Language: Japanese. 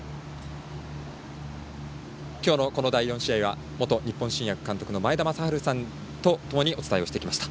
きょうのこの第４試合は元日本新薬監督の前田正治さんとともにお伝えをしてきました。